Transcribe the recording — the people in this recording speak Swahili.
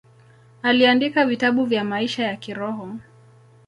Aliandika vitabu vya maisha ya kiroho.